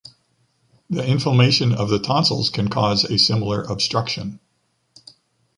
The inflammation of the tonsils can cause a similar obstruction.